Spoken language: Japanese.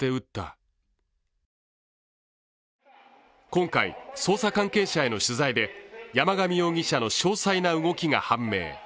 今回、捜査関係者への取材で山上容疑者の詳細な動きが判明。